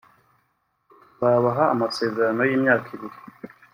… tuzabaha amasezerano y’imyaka ibiri